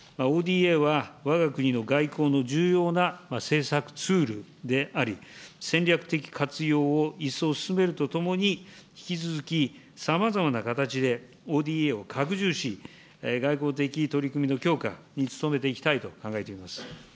ＯＤＡはわが国の外交の重要な政策ツールであり、戦略的活用を一層進めるとともに、引き続き、さまざまな形でＯＤＡを拡充し、外交的取り組みの強化に努めていきたいと考えています。